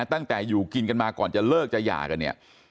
ตั้งแต่อยู่กินกันมาก่อนจะเลิกจะหย่ากันเนี่ย